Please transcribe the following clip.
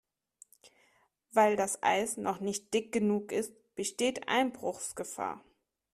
Weil das Eis noch nicht dick genug ist, besteht Einbruchsgefahr.